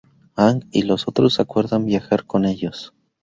Aang y los otros acuerdan viajar con ellos.